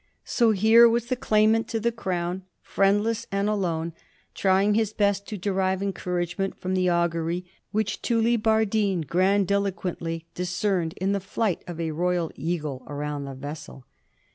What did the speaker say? So here was the claim ant to the crown, friendless and alone, trying his best to derive encouragement from the augury which TuUi bardine grandiloquently discerned in the flight of a royal eagle around the vessel.